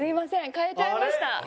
変えちゃいました。